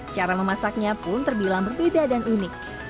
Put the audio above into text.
cara memasaknya pun terbilang berbeda dan unik